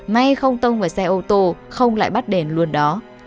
may không tông vào xe ô tô không lại bắt đèn luôn đó